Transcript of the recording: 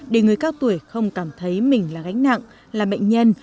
để người cao tuổi không cảm thấy mình là gánh nặng là bệnh nhân